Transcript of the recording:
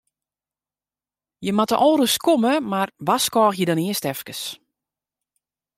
Jimme moatte al ris komme, mar warskôgje dan earst efkes.